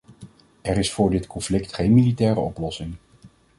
Er is voor dit conflict geen militaire oplossing.